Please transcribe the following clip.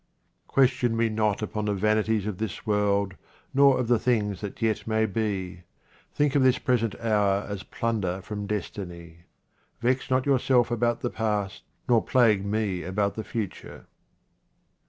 Question me not upon the vanities of this world nor of the things that yet. may be. Think of this present hour as plunder from destiny. Vex not yourself about the past, nor plague me about the future.